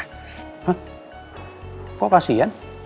hah kok kasihan